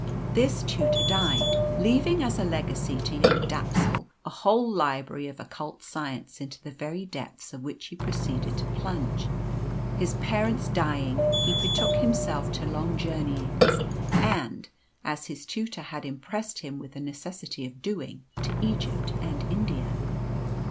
This tutor died, leaving as a legacy to young Dapsul a whole library of occult science, into the very depths of which he proceeded to plunge. His parents dying, he betook himself to long journeyings, and (as his tutor had impressed him with the necessity of doing) to Egypt and India.